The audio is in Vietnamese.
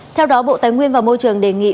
theo đó bộ tài nguyên và môi trường đề nghị